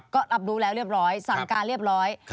ก็รับรู้แล้วเรียบร้อยสั่งการเรียบร้อย